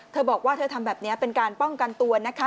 เธอบอกว่าเธอทำแบบนี้เป็นการป้องกันตัวนะคะ